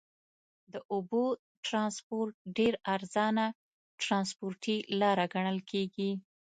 د اوبو ترانسپورت ډېر ارزانه ترنسپورټي لاره ګڼل کیږي.